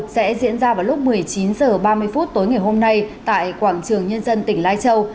sẽ diễn ra vào lúc một mươi chín h ba mươi phút tối ngày hôm nay tại quảng trường nhân dân tỉnh lai châu